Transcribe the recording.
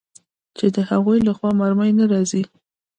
چې د هغوى له خوا مرمۍ نه راځي.